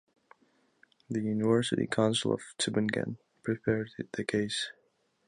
The University Council of Tübingen prepared the case.